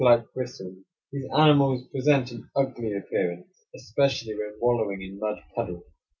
[301 like bristles, these animals present an ugly appearance, especially when wallowing in mud puddles.